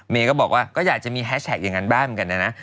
ก็บอกว่าก็อยากจะมีแฮชแท็กอย่างนั้นบ้างเหมือนกันนะนะ